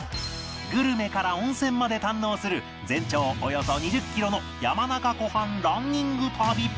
グルメから温泉まで堪能する全長およそ２０キロの山中湖畔ランニング旅